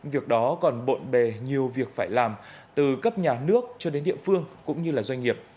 việc đó còn bộn bề nhiều việc phải làm từ cấp nhà nước cho đến địa phương cũng như doanh nghiệp